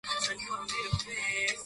kwa hivyo hayo yote yakifanyika